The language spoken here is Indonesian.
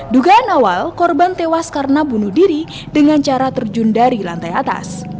dugaan awal korban tewas karena bunuh diri dengan cara terjun dari lantai atas